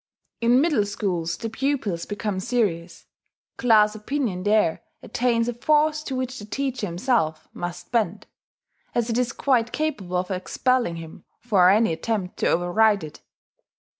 In middle schools the pupils become serious: class opinion there attains a force to which the teacher himself must bend, as it is quite capable of expelling him for any attempt to override it.